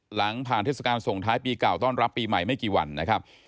หลังผ่านเทศกาลส่งท้ายปีเก่าต้อนรับปีใหม่ไม่กี่วันนะครับ